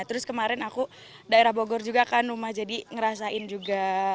terus kemarin aku daerah bogor juga kan rumah jadi ngerasain juga